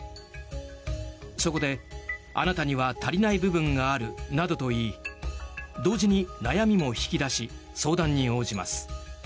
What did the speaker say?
そこで、あなたには足りない部分があるなどと言い同時に悩みも引き出し相談に応じます。